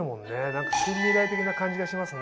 何か近未来的な感じがしますね。